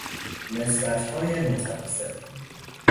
نسبت های متناسب